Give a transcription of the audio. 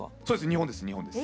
日本です日本です。